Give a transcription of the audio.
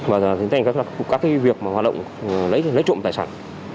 và tiến hành các việc hoạt động lấy trộm tài sản